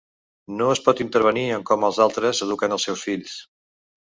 No es pot intervenir en com els altres eduquen els seus fills.